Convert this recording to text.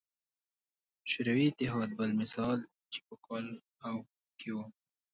شوروي اتحاد بل مثال دی چې په کال او کې وو.